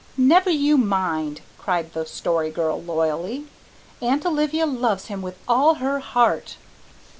"Never you mind," cried the Story Girl loyally, "Aunt Olivia loves him with all her heart."